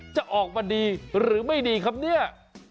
จะออกมาดีหรือไม่ดีครับเนี่ย